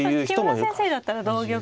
木村先生だったら同玉